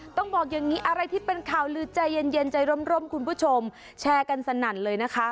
ต้องบอกอย่างนี้อะไรที่เป็นข่าวลือใจเย็นใจร่มคุณผู้ชมแชร์กันสนั่นเลยนะคะ